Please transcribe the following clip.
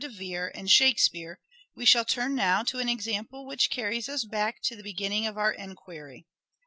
de Vere and Shakespeare we shall turn now to an example which carries us back to the beginning of our enquiry.